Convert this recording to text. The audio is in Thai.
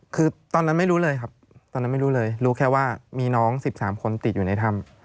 คือตอนนั้นไม่รู้เลยครับตอนนั้นไม่รู้เลยรู้แค่ว่ามีน้อง๑๓คนติดอยู่ในถ้ำ